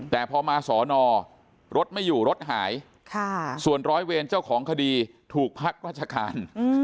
แต่พอมาสอนอรถไม่อยู่รถหายส่วนร้อยเวรเจ้าของคดีถูกพักราชการ